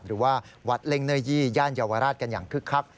หรือว่าวัดเล่งเนยี่ย่านเยาวราชกันอย่างคึกคัก